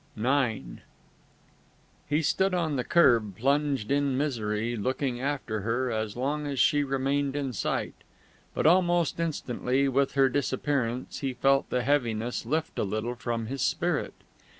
IX He stood on the kerb plunged in misery, looking after her as long as she remained in sight; but almost instantly with her disappearance he felt the heaviness lift a little from his spirit.